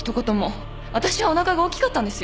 私はおなかが大きかったんですよ？